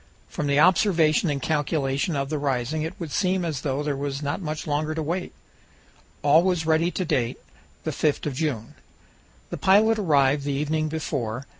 From the observation and calculation of the rising it would seem as though there was not much longer to wait. All was ready to date, the 5th of June. The pilot arrived the evening before.